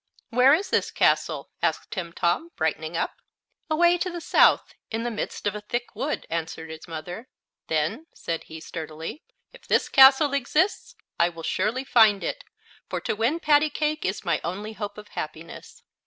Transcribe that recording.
"Where is this castle?" asked Timtom, brightening up. "Away to the south, in the midst of a thick wood," answered his mother. "Then," said he, sturdily, "if this castle exists, I will surely find it, for to win Pattycake is my only hope of happiness."